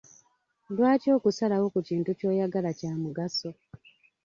Lwaki okusalawo ku kintu ky'oyagala kya mugaso?